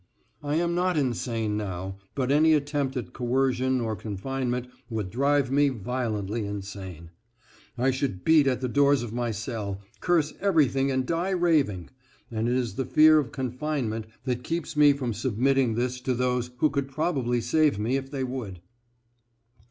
I am not insane now, but any attempt at coercion or confinement would drive me violently insane. I should beat at the doors of my cell, curse everything and die raving, and it is the fear of confinement that keeps me from submitting this to those who could probably save me if they would.